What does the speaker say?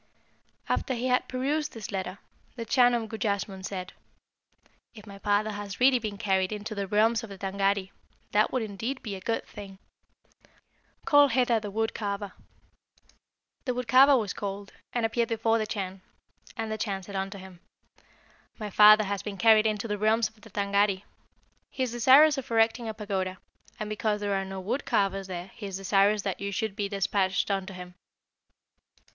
"After he had perused this letter, the Chan of Gujassmunn said, 'If my father has really been carried into the realms of the Tângâri, that would indeed be a good thing. Call hither the wood carver.' The wood carver was called, and appeared before the Chan, and the Chan said unto him, 'My father has been carried into the realms of the Tângâri. He is desirous of erecting a pagoda, and because there are no wood carvers there he is desirous that you should be despatched unto him.'